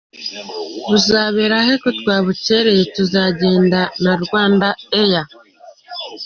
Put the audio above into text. Buzaberahe?ko twabukereye tuzagenda na Rwanda air.